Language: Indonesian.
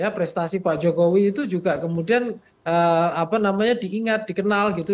prestasi pak jokowi itu juga kemudian diingat dikenal gitu